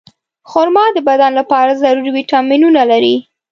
خرما د بدن لپاره ضروري ویټامینونه لري.